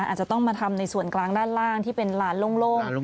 อาจจะต้องมาทำในส่วนกลางด้านล่างที่เป็นลานโล่ง